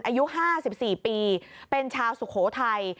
อายุ๕๔ปีเป็นชาวสุโขทัย